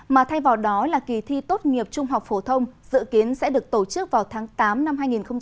mà thay vào đó là kỳ thi tốt nghiệp trung học phổ thông dự kiến sẽ được tổ chức vào tháng tám năm hai nghìn hai mươi